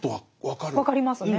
分かりますね。